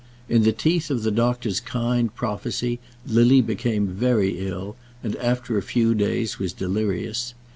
In the teeth of the doctor's kind prophecy Lily became very ill, and after a few days was delirious.